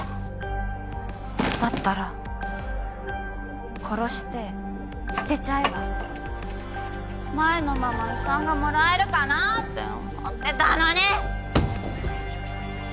だったら殺して捨てちゃえば前のまま遺産がもらえるかなぁって思ってたのに！